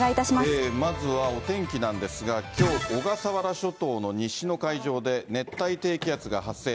まずはお天気なんですが、きょう、小笠原諸島の西の海上で熱帯低気圧が発生。